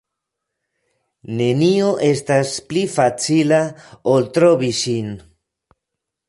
Nenio estas pli facila, ol trovi ŝin.